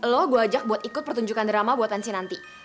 lo gue ajak buat ikut pertunjukan drama buatan sih nanti